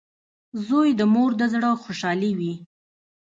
• زوی د مور د زړۀ خوشحالي وي.